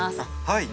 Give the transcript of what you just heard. はい。